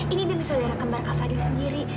ini demi saudara kembar kak fadli sendiri